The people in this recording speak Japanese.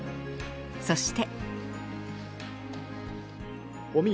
そして。